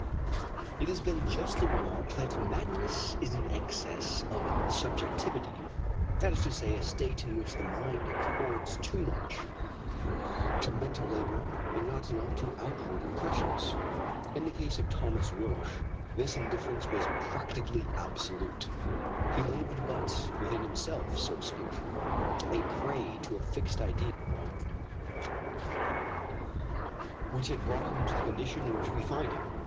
It has been justly remarked that madness is an excess of subjectivity; that is to say, a state in which the mind accords too much to mental labor and not enough to outward impressions. In the case of Thomas Roch this indifference was practically absolute. He lived but within himself, so to speak, a prey to a fixed idea which had brought him to the condition in which we find him.